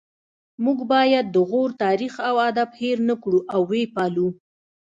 موږ باید د غور تاریخ او ادب هیر نکړو او ويې پالو